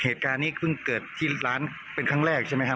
เหตุการณ์นี้เพิ่งเกิดที่ร้านเป็นครั้งแรกใช่ไหมครับ